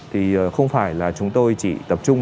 thì không phải là chúng tôi chỉ tập trung